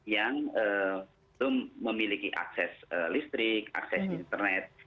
yang belum memiliki akses listrik akses internet